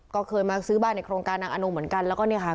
ก็เคยมาซื้อบ้านในโครงการนางอนงเหมือนกันแล้วก็เนี่ยค่ะ